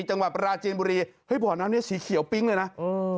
จังหวัดปราจีนบุรีเฮ้ยบ่อน้ำเนี้ยสีเขียวปิ๊งเลยนะเออ